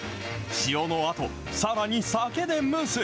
塩のあと、さらに酒で蒸す。